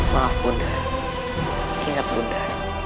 maaf ibunda ingat ibunda